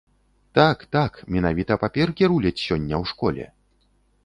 Так, так, менавіта паперкі руляць сёння ў школе!